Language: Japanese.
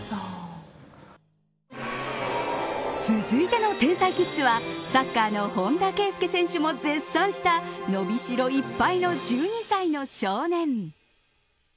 続いての天才キッズはサッカーの本田圭佑選手も絶賛した伸びしろいっぱいの１２歳の少年。